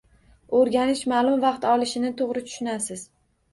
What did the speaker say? Oʻrganish maʼlum vaqt olishini toʻgʻri tushunasiz.